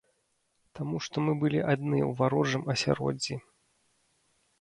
Таму што мы былі адны у варожым асяроддзі.